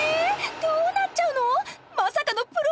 どうなっちゃうの！？